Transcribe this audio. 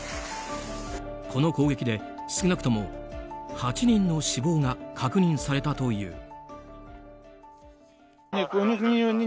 この攻撃で、少なくとも８人の死亡が確認されたという。